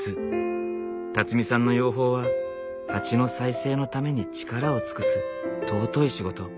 さんの養蜂はハチの再生のために力を尽くす尊い仕事。